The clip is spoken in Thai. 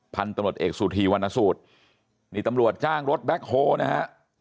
พันธุ์ตำรวจเอกสุธีวรรณสูตรนี่ตำรวจจ้างรถแบ็คโฮลนะฮะ